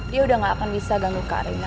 dia udah gak akan bisa ganggu kak reina